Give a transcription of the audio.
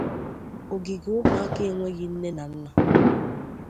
ògìgè ụmụaka enweghị nne na nna